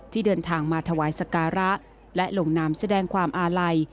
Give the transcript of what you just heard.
ที่เดินทางมาถวายสการะและลงนามแสดงความอาลัย